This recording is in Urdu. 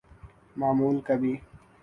معمول کبھی ‘‘۔